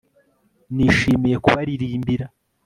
Nishimiye kubaririmbira